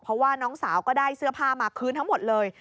เพราะว่าน้องสาวก็ได้เสื้อผ้ามาคืนทั้งหมดเลย